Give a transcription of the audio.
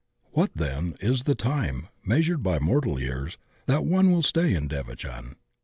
What then is the time, measured by mor tal years, that one will stay in devachan?